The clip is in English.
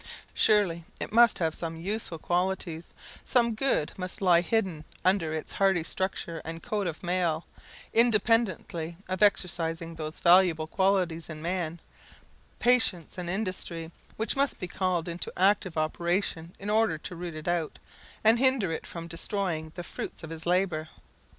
Surely, it must have some useful qualities; some good must lie hidden under its hardy structure and coat of mail, independently of its exercising those valuable qualities in man patience and industry which must be called into active operation in order to root it out, and hinder it from destroying the fruits of his labour.